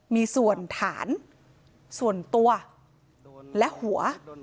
มีส่วนฐานส่วนตัวและหัว